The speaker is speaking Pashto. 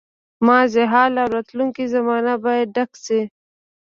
ماضي، حال او راتلونکې زمانه باید ډک شي.